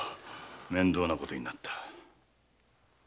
面倒なことになった。